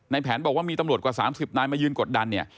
แผนบอกว่ามีตำรวจกว่า๓๐นายมายืนกดดันเนี่ย